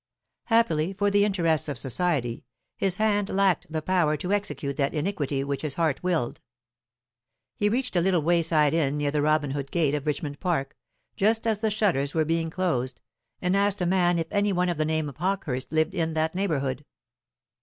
Happily for the interests of society, his hand lacked the power to execute that iniquity which his heart willed. He reached a little wayside inn near the Robin Hood gate of Richmond Park, just as the shutters were being closed, and asked a man if any one of the name of Hawkehurst lived in that neighbourhood.